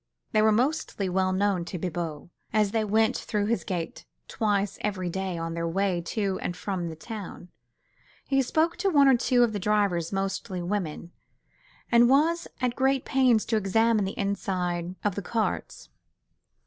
They were mostly well known to Bibot, as they went through his gate twice every day on their way to and from the town. He spoke to one or two of their drivers—mostly women—and was at great pains to examine the inside of the carts.